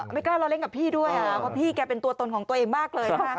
ไม่กล้าเราเล่นกับพี่ด้วยเพราะพี่แกเป็นตัวตนของตัวเองมากเลยนะคะ